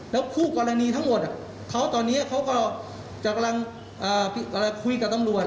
แล้วคู่กรณีทั้งหมดเขาตอนนี้เขาก็จะกำลังคุยกับตำรวจ